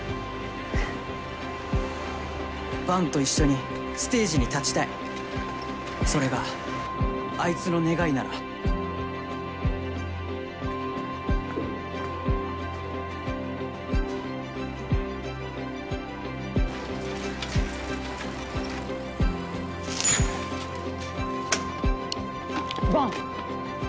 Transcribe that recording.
伴と一緒にステージに立ちたいそれがあいつの願いなら伴！